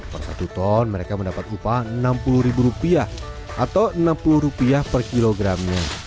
per satu ton mereka mendapat upah rp enam puluh atau rp enam puluh per kilogramnya